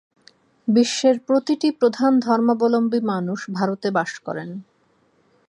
বিশ্বের প্রতিটি প্রধান ধর্মাবলম্বী মানুষ ভারতে বাস করেন।